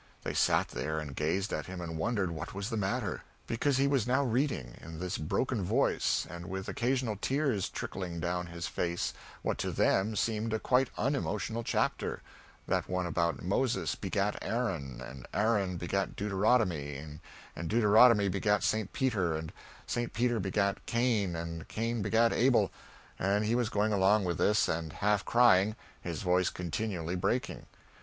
They sat there and gazed at him and wondered what was the matter; because he was now reading, in this broken voice and with occasional tears trickling down his face, what to them seemed a quite unemotional chapter that one about Moses begat Aaron, and Aaron begat Deuteronomy, and Deuteronomy begat St. Peter, and St. Peter begat Cain, and Cain begat Abel and he was going along with this, and half crying his voice continually breaking.